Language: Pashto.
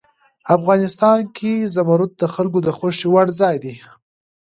افغانستان کې زمرد د خلکو د خوښې وړ ځای دی.